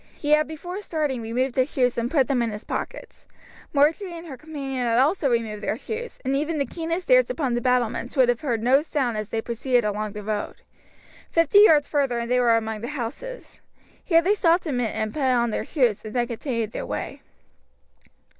He had before starting removed his shoes and put them in his pockets. Marjory and her companion had also removed their shoes, and even the keenest ears upon the battlements would have heard no sound as they proceeded along the road. Fifty yards farther and they were among the houses. Here they stopped a minute and put on their shoes, and then continued their way.